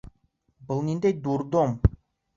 Был ниндәй дурдом?!